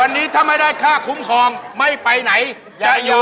วันนี้ถ้าไม่ได้ค่าคุ้มครองไม่ไปไหนจะอยู่